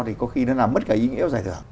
thì có khi nó làm mất cái ý nghĩa giải thưởng